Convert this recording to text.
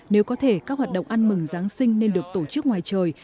nếu có thể các hoạt động ăn mừng giáng sinh nên được tổ chức ngoài trời